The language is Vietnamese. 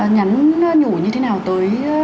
nhắn nhủ như thế nào tới